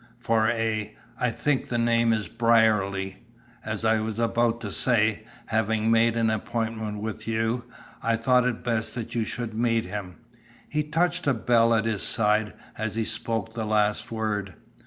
"For a I think the name is Brierly; as I was about to say, having made an appointment with you, I thought it best that you should meet him." He touched the bell at his side, as he spoke the last word.